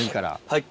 はい。